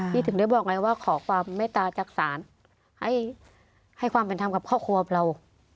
ถึงได้บอกไงว่าขอความเมตตาจากศาลให้ความเป็นธรรมกับครอบครัวเรา